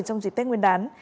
trong dịch tết nguyên đán